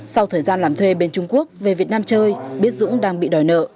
sau thời gian làm thuê bên trung quốc về việt nam chơi biết dũng đang bị đòi nợ